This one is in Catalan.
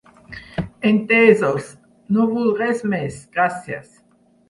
Entesos, no vull res més, gracies.